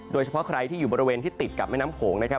โดยเฉพาะใครที่อยู่บริเวณที่ติดกับแม่น้ำโขงนะครับ